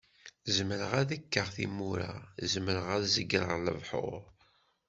Zemreɣ ad kkeɣ timura zemreɣ ad zegreɣ lebḥur.